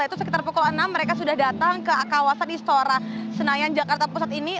yaitu sekitar pukul enam mereka sudah datang ke kawasan istora senayan jakarta pusat ini